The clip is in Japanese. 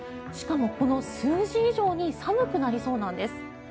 しかも、この数字以上に寒くなりそうなんです。